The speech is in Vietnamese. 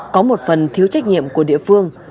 có một phần thiếu trách nhiệm của địa phương